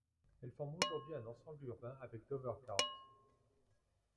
Elle forme aujourd'hui un ensemble urbain avec Dovercourt.